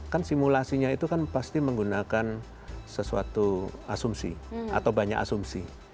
kan simulasinya itu kan pasti menggunakan sesuatu asumsi atau banyak asumsi